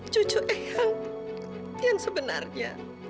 cucu eyang yang sebenarnya